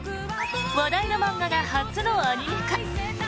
話題の漫画が初のアニメ化。